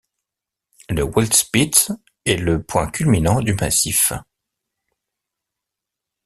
Le Wildspitze est le point culminant du massif.